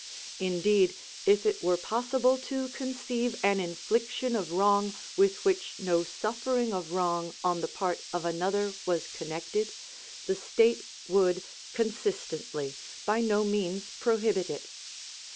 Indeed, if it were possible to conceive an infliction of wrong with which no suffering of wrong on the part of another was connected, the state would, consistently, by no means prohibit it.